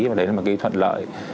và đấy là một cái thuận lợi